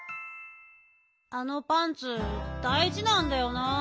あのパンツだいじなんだよな。